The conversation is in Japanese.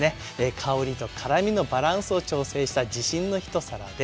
香りと辛みのバランスを調整した自信の一皿です。